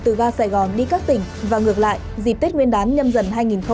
từ ga sài gòn đi các tỉnh và ngược lại dịp tết nguyên đán nhâm dần hai nghìn hai mươi bốn